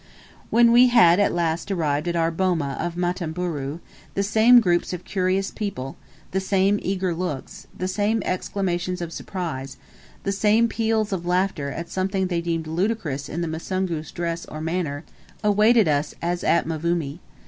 When we had at last arrived at our boma of Matamburu, the same groups of curious people, the same eager looks, the same exclamations of surprise, the same, peals of laughter, at something they deemed ludicrous in the Musungu's dress or manner, awaited us, as at Mvumi.